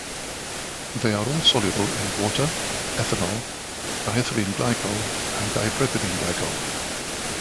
They are all soluble in water, ethanol, diethylene glycol and dipropylene glycol.